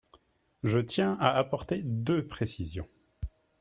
Je tiens à apporter deux précisions.